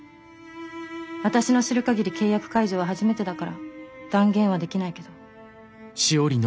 私の知るかぎり契約解除は初めてだから断言はできないけど。